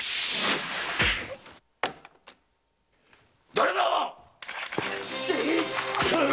誰だ